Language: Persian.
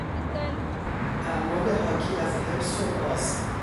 اعمال حاکی از حرص و آز